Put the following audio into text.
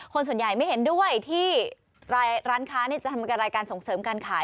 คนส่วนใหญ่ไม่เห็นด้วยที่ร้านค้าจะทำกับรายการส่งเสริมการขาย